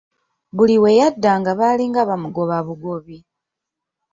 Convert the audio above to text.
Buli we yaddanga baalinga bamugoba bugobi.